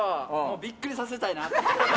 びっくりさせたいなって。